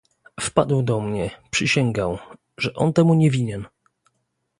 "Wpadł do mnie, przysięgał, że on temu nie winien..."